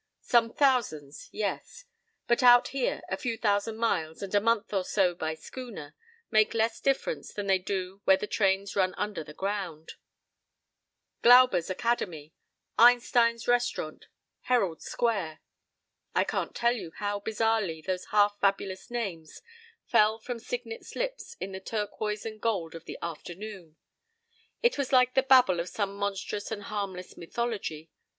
Some thousands, yes; but out here a few thousand miles and a month or so by schooner make less difference than they do where the trains run under the ground.— "Glauber's Academy"—"Einstein's Restaurant"—"Herald Square"— I can't tell you how bizarrely those half fabulous names fell from Signet's lips in the turquoise and gold of the afternoon. It was like the babble of some monstrous and harmless mythology.